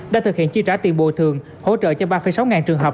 đã thực hiện chi trả tiền bù thường hỗ trợ cho ba sáu ngàn trường hợp